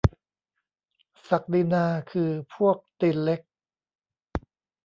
ศักดินาคือพวกตีนเล็ก ?